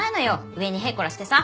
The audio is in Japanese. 上にへいこらしてさ。